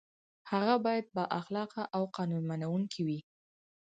هغه باید با اخلاقه او قانون منونکی وي.